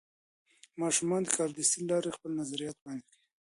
ماشومان د کاردستي له لارې خپل نظریات وړاندې کوي.